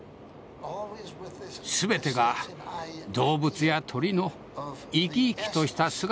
全てが動物や鳥の生き生きとした姿を捉えています。